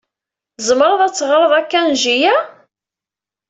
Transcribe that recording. Tzemreḍ ad teɣreḍ akanji-a?